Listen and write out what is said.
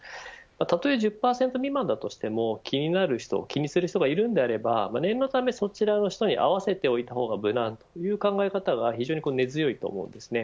たとえ１０％未満だとしても気になる人気にする人がいるのであれば念のため、そちらの人に合わせておいた方が無難という考え方が非常に根強いと思います。